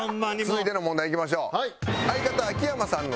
続いての問題いきましょう。